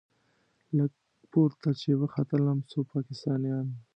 لږ پورته چې وختلم څو پاکستانيان.